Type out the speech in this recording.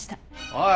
おい！